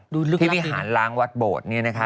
ดูลึกลับอินที่วิหารล้างวัดโบดนี้นะคะ